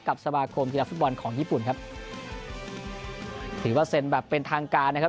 สมาคมกีฬาฟุตบอลของญี่ปุ่นครับถือว่าเซ็นแบบเป็นทางการนะครับ